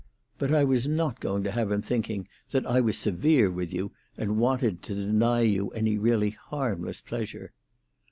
But I was not going to have him thinking that I was severe with you, and wanted to deny you any really harmless pleasure."